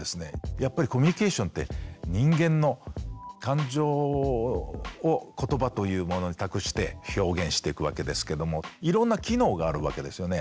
やっぱりコミュニケーションって人間の感情を言葉というものに託して表現していくわけですけどもいろんな機能があるわけですよね。